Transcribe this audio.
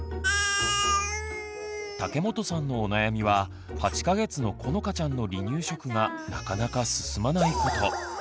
竹本さんのお悩みは８か月のこのかちゃんの離乳食がなかなか進まないこと。